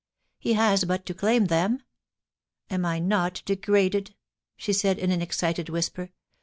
He has but to claim them Am I not degraded ?' she said in an excited whisper.